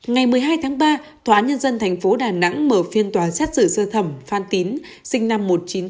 ngày một mươi hai tháng ba tòa án nhân dân thành phố đà nẵng mở phiên tòa xét xử sơ thẩm phan tín sinh năm một nghìn chín trăm tám mươi chín